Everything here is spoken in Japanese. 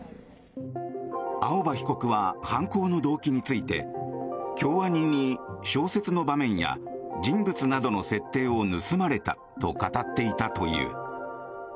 青葉被告は犯行の動機について京アニに小説の場面や人物などの設定を盗まれたと語っていたという。